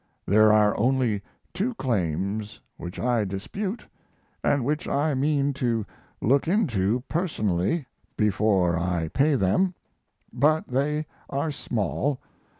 There are only two claims which I dispute & which I mean to look into personally before I pay them. But they are small.